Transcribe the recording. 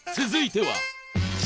続いては。